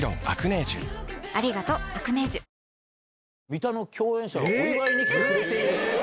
ＪＴ『ミタ』の共演者がお祝いに来てくれていると。